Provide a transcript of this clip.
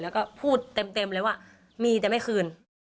แล้วก็พูดเต็มเลยว่ามีแต่ไม่คืน